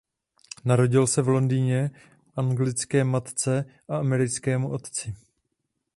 Narodil se v Londýně anglické matce a americkému otci.